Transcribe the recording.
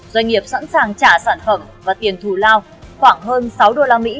doanh nghiệp sẵn sàng trả sản phẩm và tiền thù lao khoảng hơn sáu usd